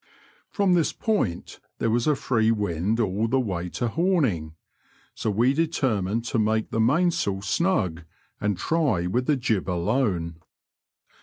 From this point there was a free wind all the way to Homing ; so we determined to make the mainsail snug, and try with the jib alone.